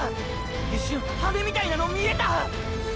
一瞬ハネみたいなの見えたァ！！